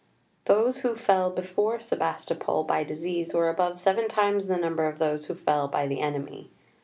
Those who fell before Sebastopol by disease were above seven times the number of those who fell by the enemy.